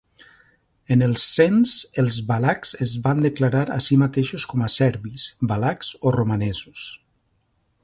En els cens, els valacs es van declarar a sí mateixos com a serbis, valacs o romanesos.